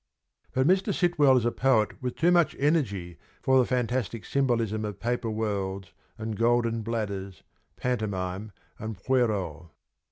But Mr. Sitwell is a poet with too much energy for the fantastic symbolism of paper worlds and golden bladders, pantomime and pierrot.